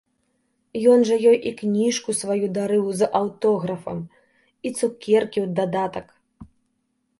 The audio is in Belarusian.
Ён жа ёй і кніжку сваю дарыў з аўтографам, і цукеркі ў дадатак.